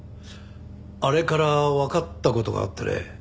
あれからわかった事があってね。